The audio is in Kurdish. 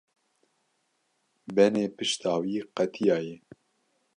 Benê pişta wî qetiyaye.